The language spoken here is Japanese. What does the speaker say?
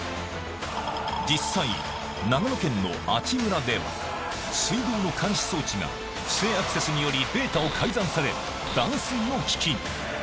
実際、長野県の阿智村では、水道の監視装置が不正アクセスによりデータを改ざんされ、断水の危機に。